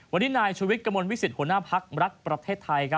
วันนี้นายชุวิตกระมวลวิสิตหัวหน้าพักรักประเทศไทย